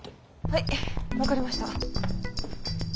はい分かりました。